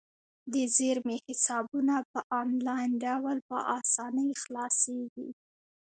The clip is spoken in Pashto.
د زیرمې حسابونه په انلاین ډول په اسانۍ خلاصیږي.